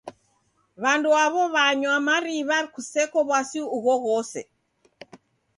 W'andu aw'o w'anywa mariw'a kuseko w'asi ughoghose.